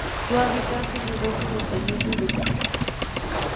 Su hábitat son los bosques montañosos de coníferas.